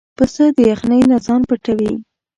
پسه د یخنۍ نه ځان پټوي.